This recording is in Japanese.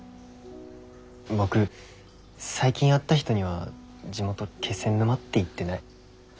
僕最近会った人には地元気仙沼って言ってない。